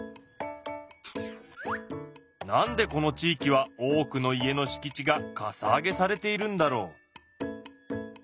何でこの地域は多くの家のしき地がかさ上げされているんだろう？